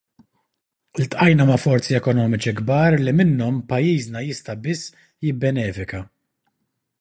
Iltqajna ma' forzi ekonomiċi kbar li minnhom pajjiżna jista' biss jibbenefika.